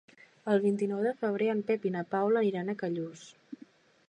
El vint-i-nou de febrer en Pep i na Paula aniran a Callús.